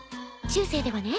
中世ではね